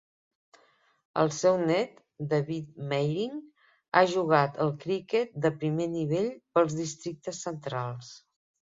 El seu net, David Meiring, ha jugat al criquet de primer nivell pels districtes centrals.